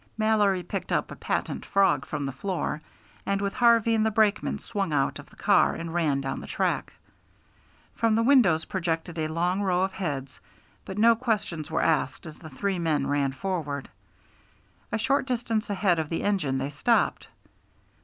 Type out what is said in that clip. Mallory picked up a patent frog from the floor, and with Harvey and the brakeman swung out of the car and ran down the track. From the windows projected a long row of heads, but no questions were asked as the three men ran forward. A short distance ahead of the engine they stopped.